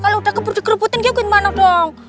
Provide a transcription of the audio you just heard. kalau udah keber degerebutin gue kemana dong